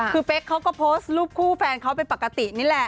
คือเป๊กเขาก็โพสต์รูปคู่แฟนเขาเป็นปกตินี่แหละ